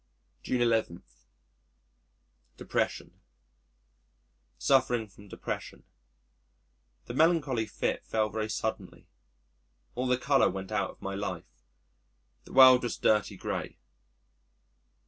June 11. Depression Suffering from depression.... The melancholy fit fell very suddenly. All the colour went out of my life, the world was dirty gray.